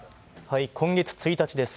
今月１日です。